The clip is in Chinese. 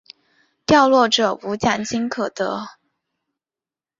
掉落者无奖金可得。